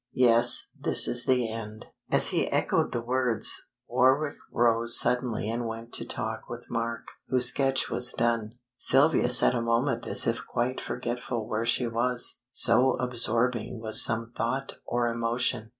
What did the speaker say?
"Yes, this is the end." As he echoed the words Warwick rose suddenly and went to talk with Mark, whose sketch was done. Sylvia sat a moment as if quite forgetful where she was, so absorbing was some thought or emotion.